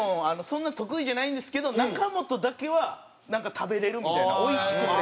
そんなに得意じゃないんですけど中本だけはなんか食べれるみたいなおいしくて。